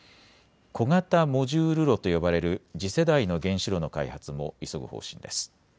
小型モジュール炉と呼ばれる次世代の原子炉の開発も急ぐ方針です。